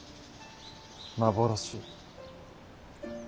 幻？